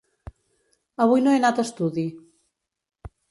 Avui no he anat a estudi.